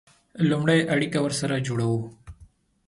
لومړی اړیکه ورسره جوړوو.